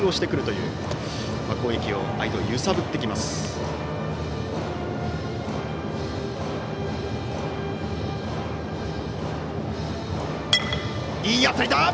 いい当たりだ！